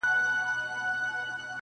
شوخ خوان سترگو كي بيده ښكاري